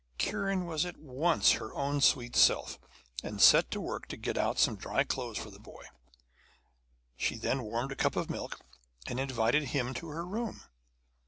Kiran was at once her own sweet self, and set to work to get out some dry clothes for the boy. She then warmed a cup of milk, and invited him to her room.